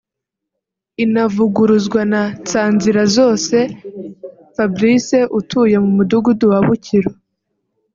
inavuguruzwa na Nsanzirazose Fabrice utuye mu mudugudu wa Bukiro